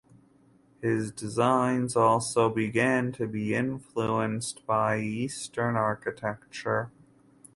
His designs also began to be influenced by Eastern architecture.